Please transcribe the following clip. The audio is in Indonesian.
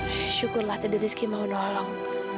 ya syukurlah tadi rizki mau nolong